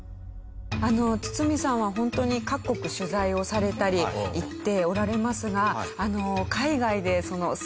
堤さんはホントに各国取材をされたり行っておられますが。